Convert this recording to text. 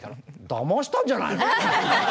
だましたんじゃないの？